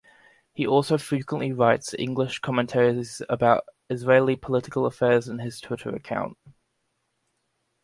He also frequently writes English commentaries about Israeli political affairs in his Twitter account.